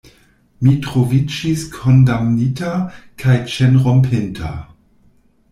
Mi troviĝis kondamnita kaj ĉenrompinta.